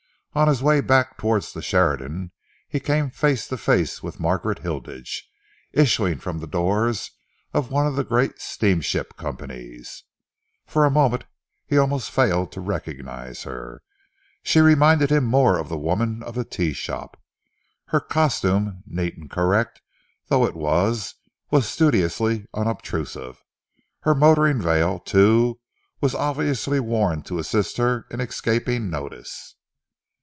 On his way back towards the Sheridan, he came face to face with Margaret Hilditch, issuing from the doors of one of the great steamship companies. For a moment he almost failed to recognise her. She reminded him more of the woman of the tea shop. Her costume, neat and correct though it was, was studiously unobtrusive. Her motoring veil, too, was obviously worn to assist her in escaping notice.